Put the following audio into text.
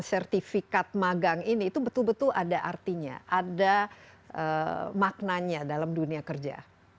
sertifikat magang ini itu betul betul ada artinya ada maknanya dalam dunia kerja